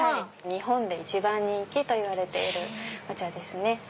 日本で一番人気といわれているお茶ですね。